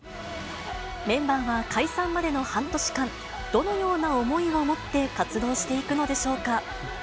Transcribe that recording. メンバーは解散までの半年間、どのような思いを持って活動していくのでしょうか。